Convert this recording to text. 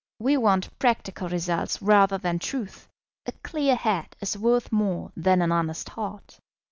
We want practical results rather than truth. A clear head is worth more than an honest heart.